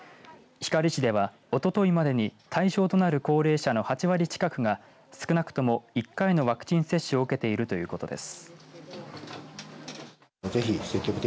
光市では、おとといまでに対象となる高齢者の８割近くが少なくとも１回のワクチン接種を受けているということです。